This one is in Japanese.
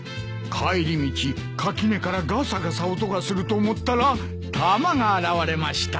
帰り道垣根からガサガサ音がすると思ったらタマが現れました。